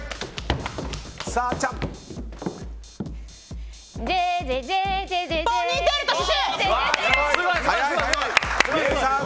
さあ、あっちゃん。